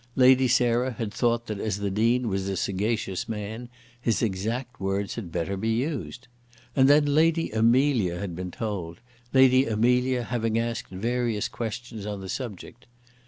Lady Sarah had thought that as the Dean was a sagacious man, his exact words had better be used. And then Lady Amelia had been told, Lady Amelia having asked various questions on the subject.